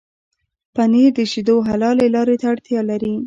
پنېر د شيدو حلالې لارې ته اړتيا لري.